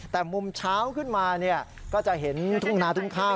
แต่มุมเช้าขึ้นมาก็จะเห็นทุ่งนาทุ่งข้าว